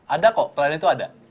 ada kok pelayanan itu ada